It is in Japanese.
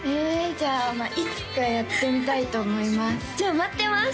じゃあいつかやってみたいと思いますじゃあ待ってます！